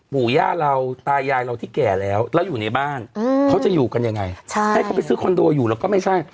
ปู่ย่าเราตายายเราที่แก่แล้วแล้วอยู่ในบ้านเขาจะอยู่กันยังไงให้เขาไปซื้อคอนโดอยู่เราก็ไม่ใช่